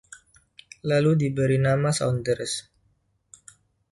Lalu diberi nama 'Saunders'.